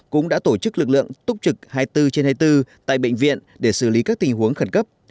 cũng đã tổ chức lực lượng túc trực hai mươi bốn trên hai mươi bốn tại bệnh viện để xử lý các tình huống khẩn cấp